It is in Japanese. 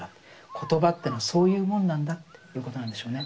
コトバというのはそういうもんなんだっていうことなんでしょうね。